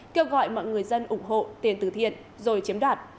kêu gọi mọi người dân ủng hộ tiền tử thiện rồi chiếm đoạt